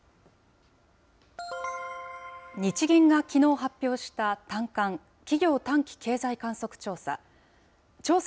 日銀がきのう発表した短観・企業短期経済観測調査。